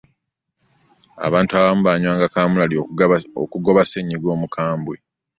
abantu abamu baanywanga kaamulali okugoba ssenyiga omukambwe.